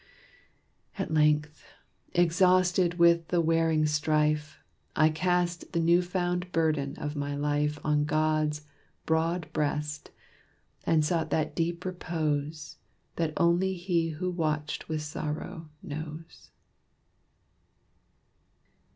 At length, exhausted with the wearing strife, I cast the new found burden of my life On God's broad breast, and sought that deep repose That only he who watched with sorrow knows.